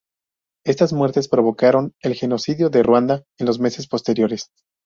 Estas muertes provocaron el genocidio de Ruanda en los meses posteriores.